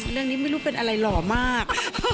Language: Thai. เรื่องนี้ไม่รู้เป็นอะไรหรอมาก